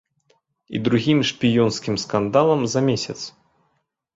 І другім шпіёнскім скандалам за месяц.